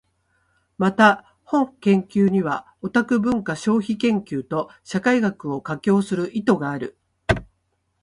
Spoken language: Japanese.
また、本研究にはオタク文化消費研究と社会学を架橋する意図がある。